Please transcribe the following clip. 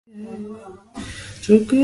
তাদের আটকে রাখা হয়েছে।